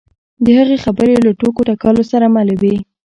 د هغه خبرې له ټوکو ټکالو سره ملې وې.